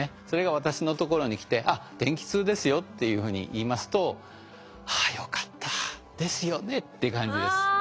それが私のところに来て「あっ天気痛ですよ」というふうに言いますと「ああよかった。ですよね」っていう感じです。